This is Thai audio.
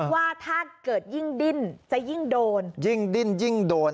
ว่าถ้าเกิดยิ่งดิ้นจะยิ่งโดนยิ่งดิ้นยิ่งโดน